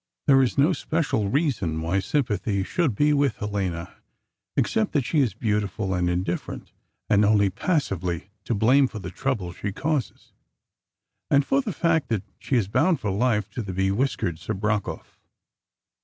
There is no special reason why sympathy should be with Helena, except that she is beautiful, and indifferent, and only passively to blame for the trouble she causes, and for the fact that she is bound for life to the bewhiskered Serebrakoff.